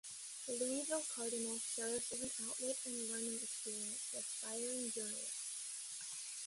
"The Louisville Cardinal" serves as an outlet and learning experience for aspiring journalists.